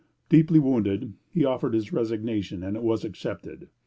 Deeply wounded, he offered his resignation, and it was accepted.